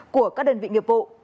của các đơn vị nghiệp vụ